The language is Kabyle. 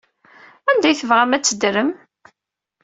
Anda ay tebɣam ad teddrem?